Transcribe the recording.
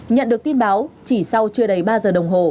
nhận được tin báo chỉ sau chưa đầy ba giờ đồng hồ